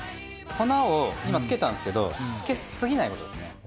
粉を今つけたんですけどつけすぎないことですね。